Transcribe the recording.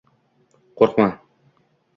Qo‘rqma!